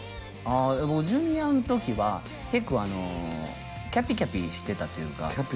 ジュニアん時は結構あのキャピキャピしてたというかキャピあ